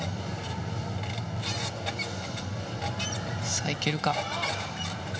さあ、行けるか。